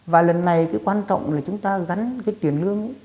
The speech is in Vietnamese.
và lần này quan trọng là chúng ta gắn tiền lương